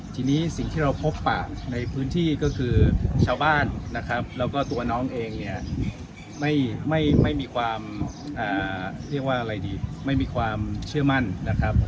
ทีนี้สิ่งที่เราพบปากในพื้นที่ก็คือชาวบ้านนะครับแล้วก็ตัวน้องเองเนี่ยไม่มีความเชื่อมั่นนะครับ